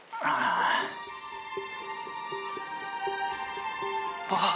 ああ。